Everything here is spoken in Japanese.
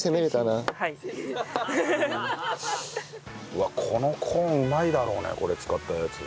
うわっこのコーンうまいだろうねこれ使ったやつ。